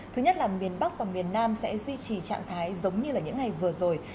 thứ nhất là miền bắc và miền nam sẽ duy trì trạng thái giống như là những ngày vừa rồi